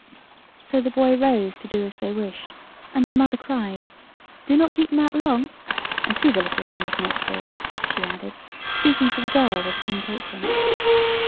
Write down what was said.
So the boy rose to do as they wished, and the mother cried "Do not keep them out long; and see the little one does not fall," she added, speaking to the girl with the pink apron.